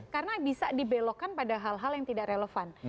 karena bisa dibelokkan pada hal hal yang tidak relevan